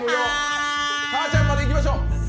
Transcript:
かあちゃんまでいきましょう。